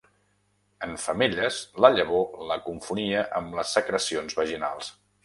En femelles, la llavor la confonia amb les secrecions vaginals.